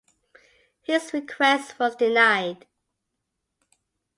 His request was denied.